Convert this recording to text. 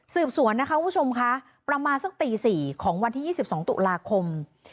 สืบสวนนะคะคุณผู้ชมคะประมาณสักตี๔ของวันที่๒๒ตุลาคม